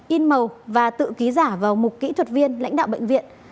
in màu và tự ký giả vào mục kỹ thuật viên lãnh đạo bệnh viện